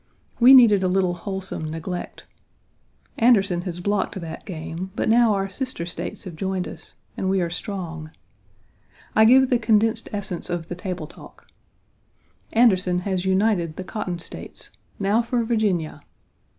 We needed a little wholesome neglect. Anderson has blocked that game, but now our sister States have joined us, and we are strong. I give the condensed essence of the table talk: "Anderson has united the cotton States. Now for Virginia!"